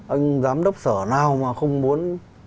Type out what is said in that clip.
anh giám đốc sở nào mà không muốn